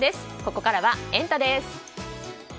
ここからはエンタ！です。